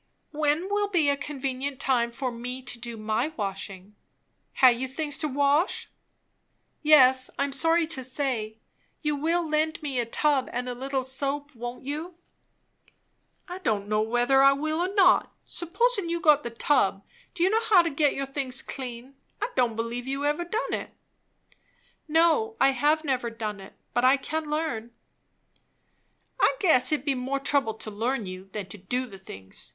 "When will be a convenient time for me to do my washing?" "Ha' you things to wash?" "Yes, I am sorry to say. You will lend me a tub, and a little soap, won't you?" "I don' know whether I will or not. Suppos'n you've got the tub, do you know how to get your things clean? I don' believe you never done it." "No, I have never done it. But I can learn." "I guess it'd be more trouble to learn you, than to do the things.